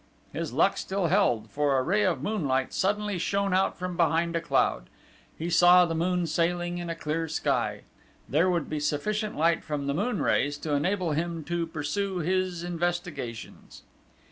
His luck still held, for a ray of moonlight suddenly shone out from behind a cloud. He saw the moon sailing in a clear sky. There would be sufficient light from the moon rays to enable him to pursue his investigations.